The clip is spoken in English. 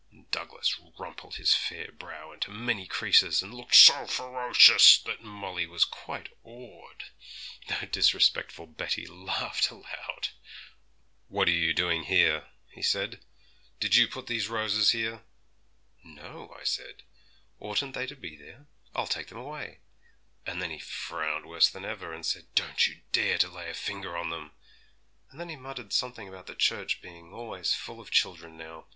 And Douglas rumpled his fair brow into many creases, and looked so ferocious that Molly was quite awed, though disrespectful Betty laughed aloud. '"What are you doing here?" he said. "Did you put these roses here?" '"No," I said; "oughtn't they to be there? I'll take them away." And then he frowned worse than ever, and said, "Don't you dare to lay a finger on them!" and then he muttered something about the church being always full of children now.